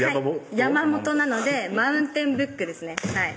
山本なのでマウンテンブックですねはい